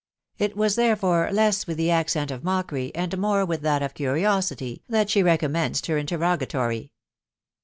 It was, therefore, less with the accent of mockery, and more with that of curiosity, that she recom menced her interrogatory.